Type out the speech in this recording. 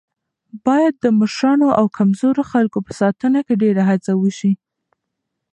باید د مشرانو او کمزورو خلکو په ساتنه کې ډېره هڅه وشي.